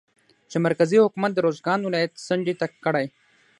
چې مرکزي حکومت روزګان ولايت څنډې ته کړى